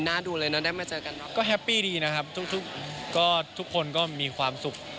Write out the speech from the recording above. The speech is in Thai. เอ้าหรอจะไปสวีทกัน๒คนเหรอ